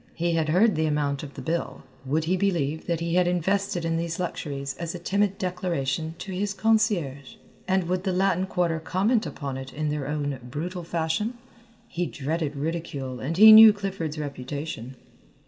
He had heard the amount of the bill. Would he believe that he had invested in these luxuries as a timid declaration to his concierge? And would the Latin Quarter comment upon it in their own brutal fashion? He dreaded ridicule and he knew Clifford's reputation.